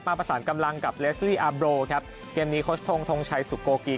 มาประสานกำลังกับเลสลีอับโรครับเกมนี้คอร์ชทงทงชัยสุโกกี